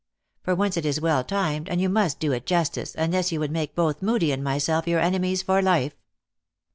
For once it is well timed, and you must do it justice, unless you would make both Moodie and myself your enemies for life."